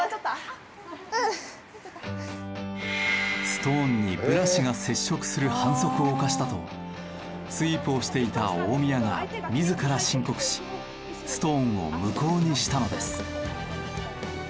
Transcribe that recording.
ストーンにブラシが接触する反則を犯したとスイープをしていた近江谷が自ら申告しストーンを無効にしたのです。